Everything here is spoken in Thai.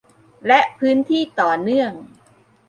และพื้นที่ต่อเนื่อง